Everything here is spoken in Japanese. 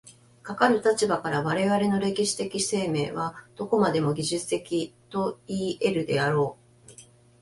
かかる立場から、我々の歴史的生命はどこまでも技術的といい得るであろう。